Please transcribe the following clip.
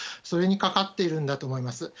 それにかかっているんだと思います。